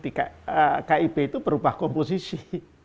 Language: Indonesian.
di kib itu berubah komposisi